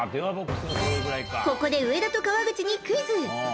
ここで上田と川口にクイズ。